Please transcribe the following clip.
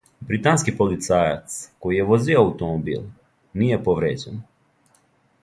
Британски полицајац, који је возио аутомобил, није повређен.